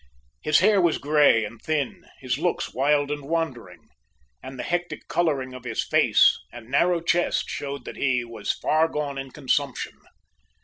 His hair was grey and thin, his looks wild and wandering, and the hectic colouring of his face and narrow chest showed that he was far gone in consumption.